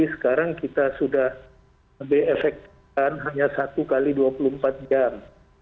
sekarang kita sudah diefektifkan hanya satu x dua puluh empat jam